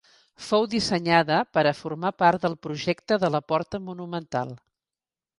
Fou dissenyada per a formar part del projecte de la porta monumental.